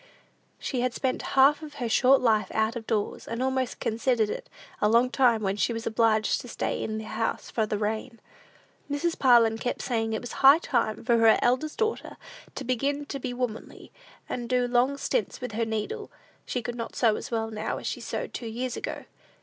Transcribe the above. She had spent half of her short life out of doors, and almost considered it lost time when she was obliged to stay in the house for the rain. Mrs. Parlin kept saying it was high time for her eldest daughter to begin to be womanly, and do long stints with her needle: she could not sew as well now as she sewed two years ago.